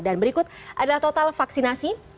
dan berikut adalah total vaksinasi